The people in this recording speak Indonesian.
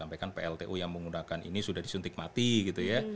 sampaikan pltu yang menggunakan ini sudah disuntik mati gitu ya